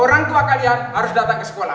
orang tua kalian harus datang ke sekolah